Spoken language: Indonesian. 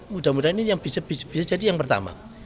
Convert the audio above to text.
mudah mudahan ini yang bisa jadi yang pertama